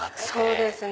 そうですね。